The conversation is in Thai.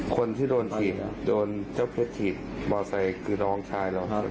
คนที่โดนถิดโดนเจ้าเพศถิดบ่อไซค์คือน้องชายเราใช่ไหม